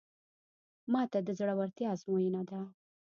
ماته د زړورتیا ازموینه ده.